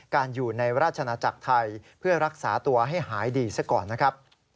การอยู่ในราชนาจักรไทยเพื่อรักษาตัวให้หายดีซะก่อนนะครับ